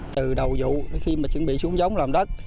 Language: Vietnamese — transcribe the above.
từ đầu vụ khi chuẩn bị xuống giống làm đất